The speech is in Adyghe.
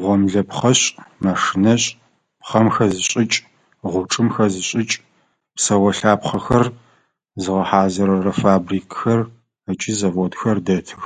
Гъомлэпхъэшӏ, машинэшӏ, пхъэм хэзышӏыкӏ, гъучӏым хэзышӏыкӏ, псэолъапхъэхэр зыгъэхьазырырэ фабрикхэр ыкӏи заводхэр дэтых.